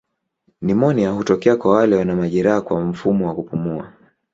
Nimonia hutokea kwa wale wana majeraha kwa mfumo wa kupumua.